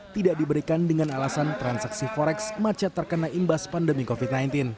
tidak diberikan dengan alasan transaksi forex macet terkena imbas pandemi covid sembilan belas